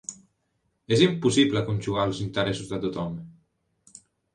És impossible conjugar els interessos de tothom.